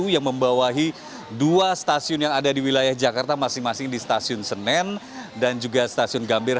yang membawahi dua stasiun yang ada di wilayah jakarta masing masing di stasiun senen dan juga stasiun gambir